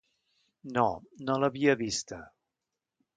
No, no l'havia vista.